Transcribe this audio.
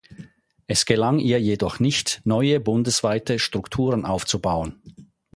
Es gelang ihr jedoch nicht, neue bundesweite Strukturen aufzubauen.